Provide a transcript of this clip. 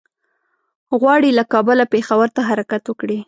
غواړي له کابله پېښور ته حرکت وکړي.